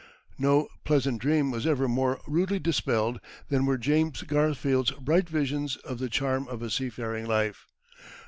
No pleasant dream was ever more rudely dispelled than were James Garfield's bright visions of the charm of a seafaring life.